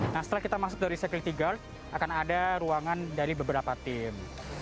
nah setelah kita masuk dari security guard akan ada ruangan dari beberapa tim